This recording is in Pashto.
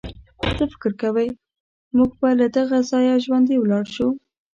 څه فکر کوئ، موږ به له دغه ځایه ژوندي ولاړ شو.